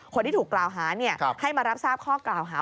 คนที่ถูกกล่าวหาให้มารับทราบข้อกล่าวหา